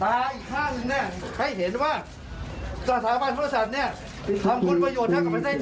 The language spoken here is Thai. ตาอีกข้างหนึ่งเนี่ยให้เห็นว่าสถาปันปฏิบัลศาลเนี่ย